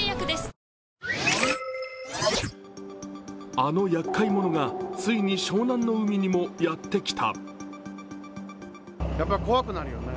あのやっかい者がついに湘南の海にもやってきた。